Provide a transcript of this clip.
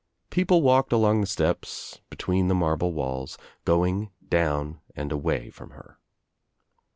People walked along the steps, between the marble walls, going down and away from her.